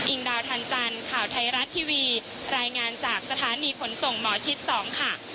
ดาวทันจันทร์ข่าวไทยรัฐทีวีรายงานจากสถานีขนส่งหมอชิด๒ค่ะ